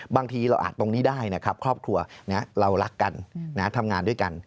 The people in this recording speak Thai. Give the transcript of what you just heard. บางทีเราอาจตรงนี้ได้นะครับครอบครัวเรารักกันทำงานด้วยกัน